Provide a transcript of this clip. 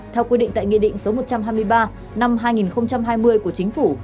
theo quy định tại nghị định số một trăm hai mươi ba năm hai nghìn hai mươi của chính phủ